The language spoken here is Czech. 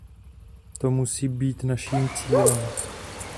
To musí být naším cílem.